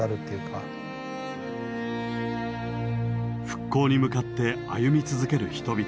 復興に向かって歩み続ける人々。